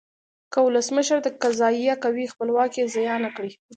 که ولسمشر د قضایه قوې خپلواکي زیانه کړي.